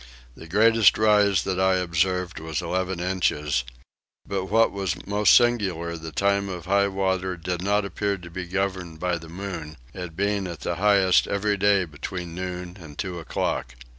The greatest rise that I observed was 11 inches; but what was most singular the time of high water did not appear to be governed by the moon, it being at the highest every day between noon and two o'clock.